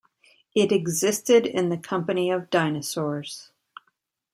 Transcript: It existed in the company of dinosaurs.